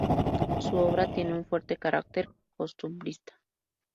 Su obra tiene un fuerte carácter costumbrista.